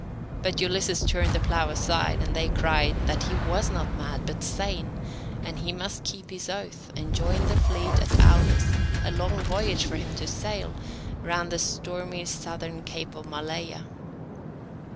But Ulysses turned the plough aside, and they cried that he was not mad, but sane, and he must keep his oath, and join the fleet at Aulis, a long voyage for him to sail, round the stormy southern Cape of Maleia.